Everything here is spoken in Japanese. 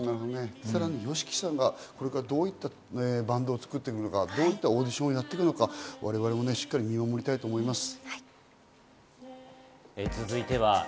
さらにＹＯＳＨＩＫＩさんがこれからどういったバンドを作っていくのか、どういったオーディションをやっていくのか、我々も見守りたいと思います。